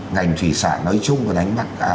ngành thủy sản nói chung và đánh bắt